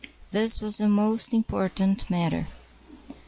This was a most important matter.